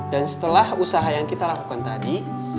setelah usaha yang kita lakukan tadi